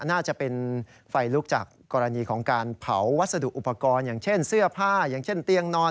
น่าจะเป็นไฟลุกจากกรณีของการเผาวัสดุอุปกรณ์อย่างเช่นเสื้อผ้าอย่างเช่นเตียงนอน